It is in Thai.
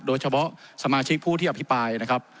โดยเฉพาะสมาชิกผู้ที่อภิปรายนะครับ